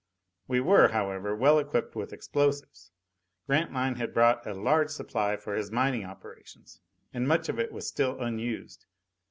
We were, however, well equipped with explosives. Grantline had brought a large supply for his mining operations, and much of it was still unused.